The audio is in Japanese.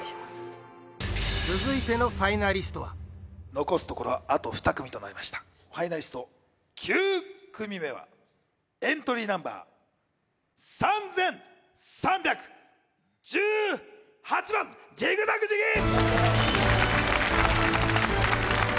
続いてのファイナリストは残すところあと２組となりましたファイナリスト９組目はエントリーナンバー３３１８番ジグザグジギー！